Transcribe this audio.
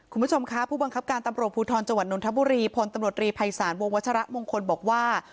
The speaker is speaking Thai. คุณผู้ชมคะผู้บังคับการตำรวจภูทรจังหวัดนนทบุรีพลตำรวจรีภัยศาลวงวัชระมงคลบอกว่า